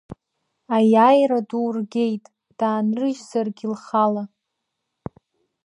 Аиааира ду ргеит, даанрыжьзаргьы лхала.